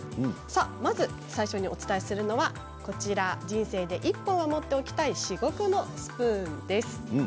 まず最初にお伝えするのは人生で１本は持っておきたい至極のスプーンです。